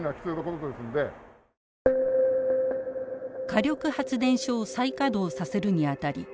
火力発電所を再稼働させるにあたり